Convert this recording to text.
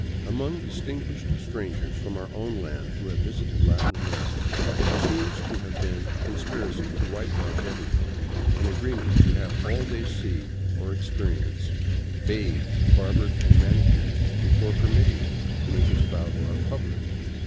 Among " distinguished strangers " from our own land who have visited Latin America there seems to have been a conspiracy to whitewash everything, an agreement to have all they see or experience bathed, barbered, and manicured before permitting it to make its bow to our public.